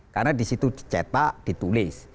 karena di situ dicetak ditulis